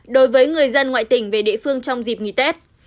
đối với người dân ngoại tỉnh về địa phương trong dịp nghỉ tết